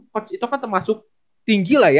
coach itu kan termasuk tinggi lah ya